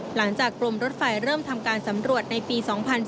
หลังจากกรมรถไฟเริ่มทำการสำรวจในปี๒๔